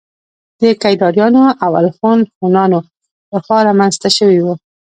د کيداريانو او الخون هونانو له خوا رامنځته شوي وو